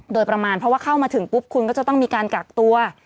โดยประมาณเพราะว่าเข้ามาถึงปุ๊บคุณก็จะต้องมีการกักตัว